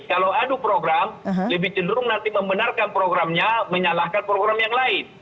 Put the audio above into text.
kalau adu program lebih cenderung nanti membenarkan programnya menyalahkan program yang lain